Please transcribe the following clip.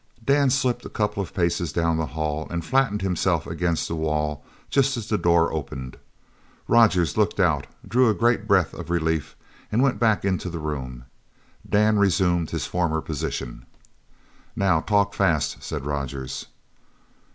Dan slipped a couple of paces down the hall and flattened himself against the wall just as the door opened. Rogers looked out, drew a great breath of relief, and went back into the room. Dan resumed his former position. "Now talk fast!" said Rogers.